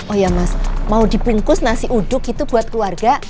oh ya mas mau dibungkus nasi uduk itu buat keluarga